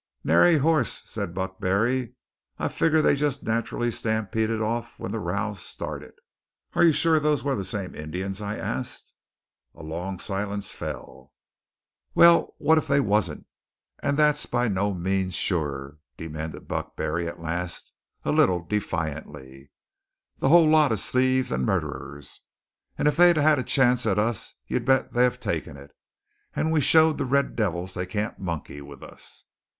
"Nary hoss," said Buck Barry. "I figger they jest nat'rally stampeded off when the row started." "Are you sure those were the same Indians?" I asked. A long silence fell. "Well, what if they wasn't and that's by no means sure," demanded Buck Barry at last, a little defiantly. "The whole lot is thieves and murderers; and if they'd had a chance at us, you bet they'd have taken it. And we showed the red devils they can't monkey with us!"